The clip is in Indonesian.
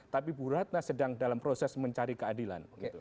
tapi bu ratna sedang dalam proses mencari keadilan